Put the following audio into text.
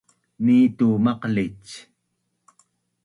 Nitu maqlic